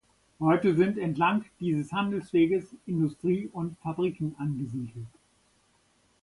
Heute sind entlang dieses Handelsweges Industrie und Fabriken angesiedelt.